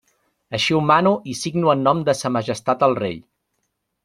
Així ho mano i signo en nom de Sa Majestat el Rei.